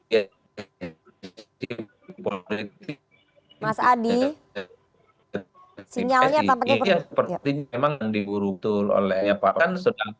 ya pertanyaannya memang diurutin oleh pak